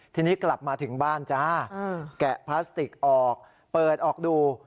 ทีนี้กลับมาถึงบ้านจ้าแกะพลาสติกออกเปิดออกดู